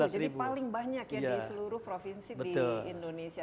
jadi paling banyak ya di seluruh provinsi di indonesia